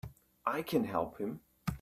I can help him!